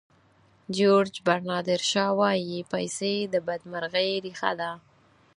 جیورج برنارد شاو وایي پیسې د بدمرغۍ ریښه ده.